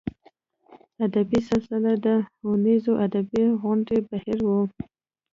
ادبي سلسله د اوونیزو ادبي غونډو بهیر و.